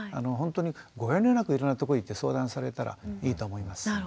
ほんとにご遠慮なくいろんなとこ行って相談されたらいいと思います。